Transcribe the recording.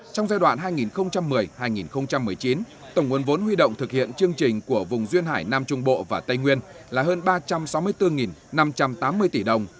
trong giai đoạn hai nghìn một mươi hai nghìn một mươi chín tổng nguồn vốn huy động thực hiện chương trình của vùng duyên hải nam trung bộ và tây nguyên là hơn ba trăm sáu mươi bốn năm trăm tám mươi tỷ đồng